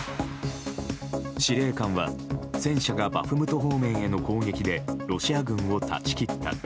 司令官は戦車がバフムト方面への攻撃でロシア軍を断ち切った。